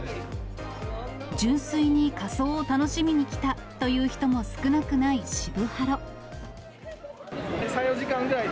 純粋に仮装を楽しみに来たという人も少なくない渋